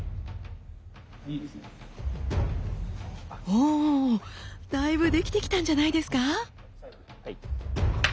ほおだいぶできてきたんじゃないですか。